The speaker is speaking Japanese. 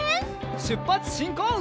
しゅっぱつしんこう！